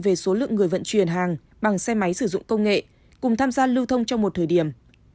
về số lượng người vận chuyển hàng bằng xe máy sử dụng công nghệ cùng tham gia lưu thông trong một thời điểm